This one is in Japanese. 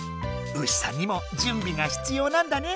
牛さんにもじゅんびがひつようなんだね。